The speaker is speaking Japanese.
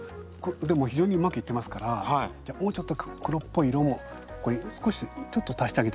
でも非常にうまくいってますからもうちょっと黒っぽい色もこれ少しちょっと足してあげてもいいですね。